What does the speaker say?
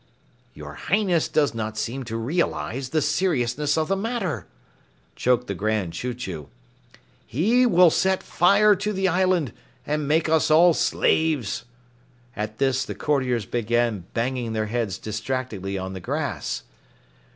"Your Majesty does not seem to realize the seriousness of the matter," choked the Grand Chew Chew. "He will set fire to the island and make us all slaves." At this, the courtiers began banging their heads distractedly on the grass.